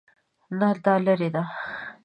نه، دا لیرې دی